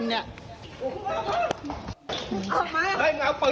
มึงด่าเพราะเขาเนี่ยมึงด่าเพราะเขาเนี่ยกูก็ได้ยินเนี่ย